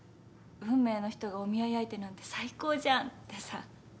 運命の人がお見合い相手なんて最高じゃんってさ。